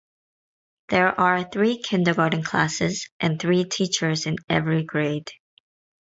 There are three kindergarten classes and three teachers in every grade.